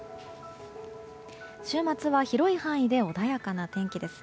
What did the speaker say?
週末は広い範囲で穏やかな天気です。